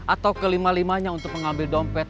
atau kelima limanya untuk mengambil dompet